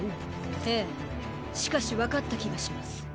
ええ。しかし分かった気がします。